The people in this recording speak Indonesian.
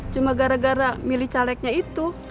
cuma gara gara milih calegnya itu